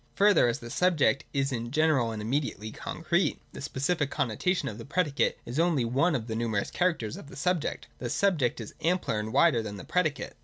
Further, as the subject is in general and immediately concrete, the specific connotation of the predicate is only one of the numerous characters of the subject. Thus the subject is ampler and wider than the predicate.